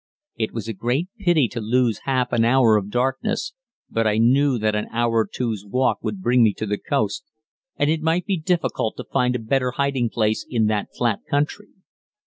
It was a great pity to lose half an hour of darkness, but I knew that an hour or two's walk would bring me to the coast, and it might be difficult to find a better hiding place in that flat country.